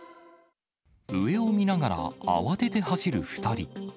上を見ながら、慌てて走る２人。